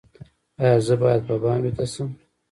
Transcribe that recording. ایا زه باید په بام ویده شم؟